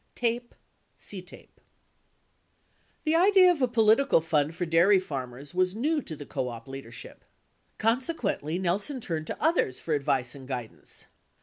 tape/otape The idea of a political fund for dairy farmers was new to the co op leadership. Consequently, Nelson turned to others for advice and guidance.